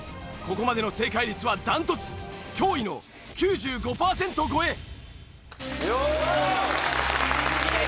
ここまでの正解率は断トツ驚異の９５パーセント超え。